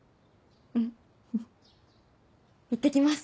うん。いってきます。